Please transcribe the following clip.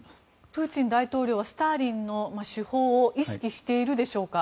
プーチン大統領はスターリンの手法を意識しているでしょうか。